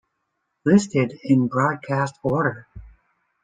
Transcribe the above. Listed in broadcast order.